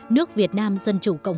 nước việt nam dân chủ cộng